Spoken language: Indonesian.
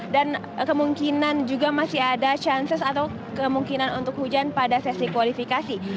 dan kemungkinan juga masih ada chances atau kemungkinan untuk hujan pada sesi kualifikasi